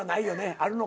あるのか？